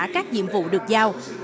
các nhiệm vụ được giao